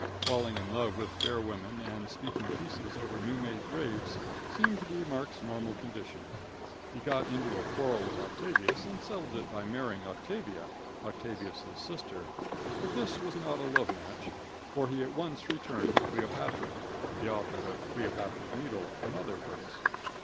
Falling in love with fair women and speaking pieces over new made graves seemed to be Mark's normal condition. He got into a quarrel with Octavius and settled it by marrying Octavia, Octavius' sister, but this was not a love match, for he at once returned to Cleopatra, the author of Cleopatra's needle and other works.